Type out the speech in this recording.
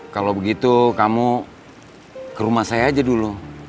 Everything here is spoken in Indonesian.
kalau begitu kamu ke rumah saya aja dulu